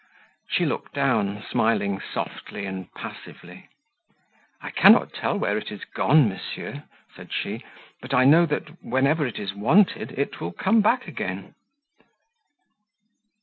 She looked down, smiling softly and passively: "I cannot tell where it is gone, monsieur," said she, "but I know that, whenever it is wanted, it will come back again."